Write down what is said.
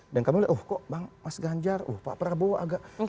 dan kami lihat oh kok bang mas ganjar pak prabowo agak